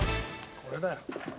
これだよ。